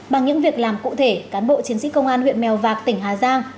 bằng những việc làm cụ thể cán bộ chiến sĩ công an huyện mèo vạc tỉnh hà giang